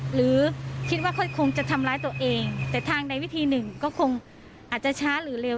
หรือคิดว่าเขาคงจะทำร้ายตัวเองแต่ทางใดวิธีหนึ่งก็คงอาจจะช้าหรือเร็ว